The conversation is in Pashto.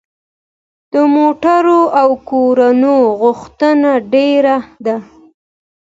د موټرو او کورونو غوښتنه ډیره ده.